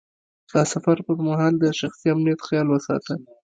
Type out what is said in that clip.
د سفر پر مهال د شخصي امنیت خیال وساته.